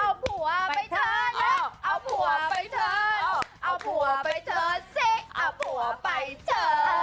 เอาผัวไปเจอนะเอาผัวไปเจอเอาผัวไปเจอสิเอาผัวไปเจอ